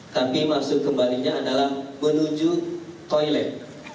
tapi maksud kembalinya adalah menuju toilet